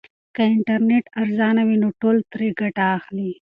که انټرنیټ ارزانه وي نو ټول ترې ګټه اخلي.